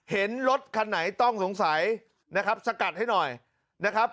เห็นรถคันไหนต้องสงสัยนะครับสกัดให้หน่อยนะครับ